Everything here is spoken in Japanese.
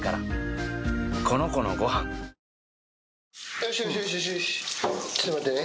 よしよしよしちょっと待ってね